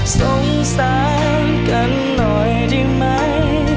สงสารกันหน่อยดีไหม